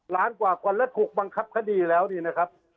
ล้านกว่าคนและถูกบังคับคดีแล้วนี่นะครับ